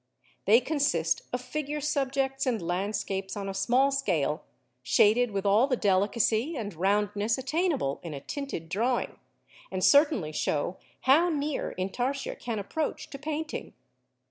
They consist of figure subjects and landscapes on a small scale, shaded with all the delicacy and roundness attainable in a tinted drawing, and certainly show how near Intarsia can approach to painting.